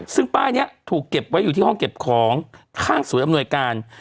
ซึ่งป้ายนี้ถูกเก็บไว้อยู่ที่ห้องเก็บของข้างศูนย์อำนวยการ